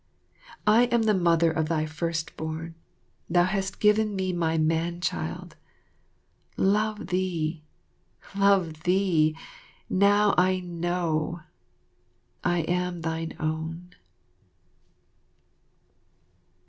I am the mother of thy first born thou hast given me my man child. Love thee love thee ! Now I know! I am Thine Own.